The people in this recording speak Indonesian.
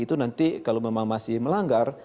itu nanti kalau memang masih melanggar